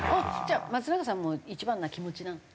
じゃあ松中さんも１番な気持ちなの？